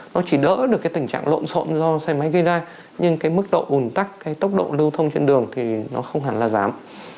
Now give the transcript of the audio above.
nó chỉ đỡ được cái tình trạng lộn xộn do xe máy gây ra nhưng cái mức độ ủn tắc cái tốc độ lưu thông trên đường thì nó không hẳn là giảm